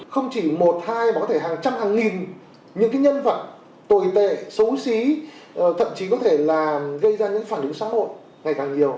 không chỉ một hai mà có thể hàng trăm hàng nghìn những nhân vật tồi tệ xấu xí thậm chí có thể là gây ra những phản ứng xã hội ngày càng nhiều